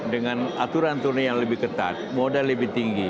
dengan aturan aturan yang lebih ketat modal lebih tinggi